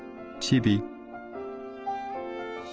「『チビ』」。